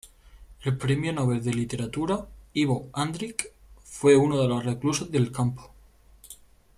El Premio Nobel de Literatura, Ivo Andrić, fue uno de los reclusos del campo.